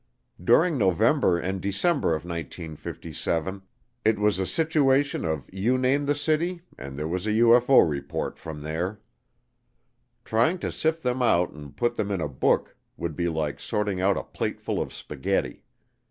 During November and December of 1957 it was a situation of you name the city and there was a UFO report from there. Trying to sift them out and put them in a book would be like sorting out a plateful of spaghetti.